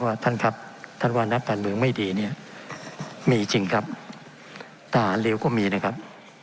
ท่านครับท่านว่านักการเมืองไม่ดีเนี่ยมีจริงครับทหารเร็วก็มีนะครับ